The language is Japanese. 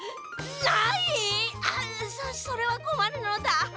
そそれはこまるのだ。